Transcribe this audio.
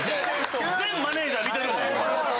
全マネージャー見てるもん。